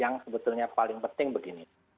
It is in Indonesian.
yang sebetulnya paling penting begini